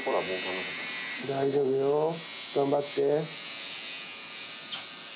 大丈夫よ頑張って。